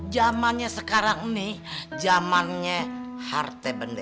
jamannya sekarang nih jamannya harte bende